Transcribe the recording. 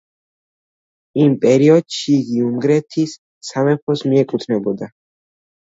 იმ პერიოდში იგი უნგრეთის სამეფოს მიეკუთვნებოდა.